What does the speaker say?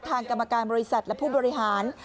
กรรมการบริษัทและผู้บริหาร